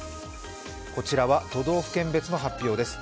こちらは都道府県別の発表です。